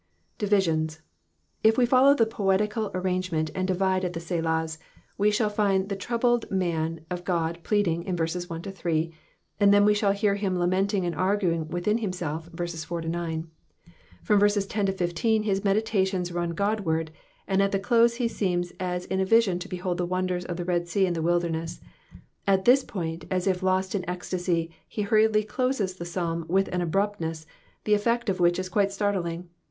Divisions.— ijf tee follow the poetical arrangemei^, and divide at the SelaJis, we shaUflnd the troubled man of Ood pleading in verses 1 — 8, and then we shall hear him lamenting and arguing within himself, i — 9. Erom verses 10 — 15 his meditations run Godward, and in the close he seems as in a vision to behold the wonders of the Red tka and the toilderness. At this point, as if lost. in an ecstacy, he hurriedly closes the Psalm with an abruptness, the effect of which is quite startling.